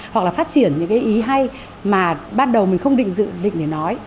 hoặc là phát triển những cái ý hay mà ban đầu mình không định dự định để nói